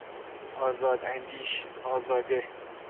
آزاد اندیش، آزاده